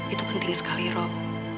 itu penting sekali rob